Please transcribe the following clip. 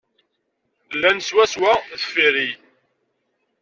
Llan swaswa deffir-i.